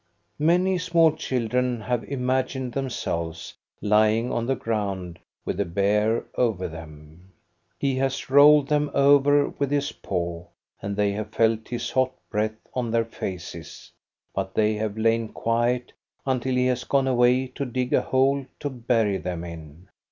Many small children have imagined themselves lying on the ground with the bear over them. He has rolled them over with his paw, and they have felt his hot breath on their faces, but they have lain quiet, until he has gone away to dig a hole to bury them in.